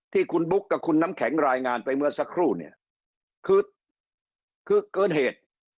ที่คุณบุ๊กกับคุณน้ำแข็งรายงานไปเมื่อสักครู่